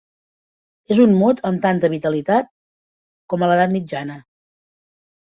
És un mot amb tanta vitalitat com a l'edat mitjana.